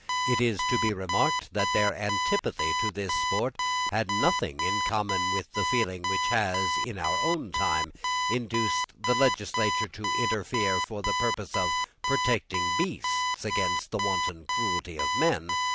It is to be remarked that their antipathy to this sport had nothing in common with the feeling which has, in our own time, induced the legislature to interfere for the purpose of protecting beasts against the wanton cruelty of men.